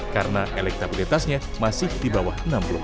karena elektabilitasnya masih di bawah